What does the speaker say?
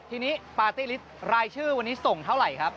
ทีนี้ปาร์ตี้ลิสต์รายชื่อวันนี้ส่งเท่าไหร่ครับ